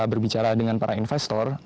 berbicara dengan para investor